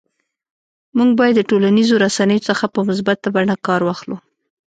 موږ باید د ټولنیزو رسنیو څخه په مثبته بڼه کار واخلو